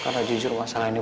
karena jujur masalah ini